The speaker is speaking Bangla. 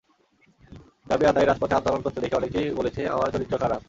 দাবি আদায়ে রাজপথে আন্দোলন করতে দেখে অনেকেই বলেছে, আমার চরিত্র খারাপ।